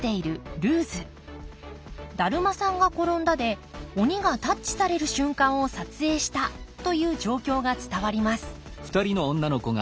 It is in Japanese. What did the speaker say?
「だるまさんがころんだ」で鬼がタッチされる瞬間を撮影したという状況が伝わります